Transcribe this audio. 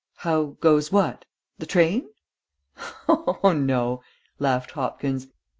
"How goes what? The train?" "Oh, no," laughed Hopkins.